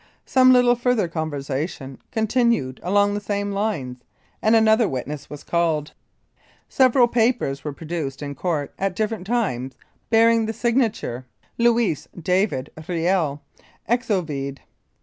Some little further conversation continued along the same lines, and another witness was called. Several papers were produced in Court at different times bearing the signature, "Louis David Kiel, Exovede."